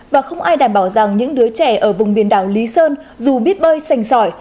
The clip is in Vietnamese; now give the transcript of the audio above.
và không ai đảm bảo rằng những đứa trẻ ở vùng biển đảo lý sơn dù biết bơi sành sỏi